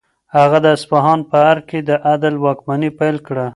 هغه د اصفهان په ارګ کې د عدل واکمني پیل کړه.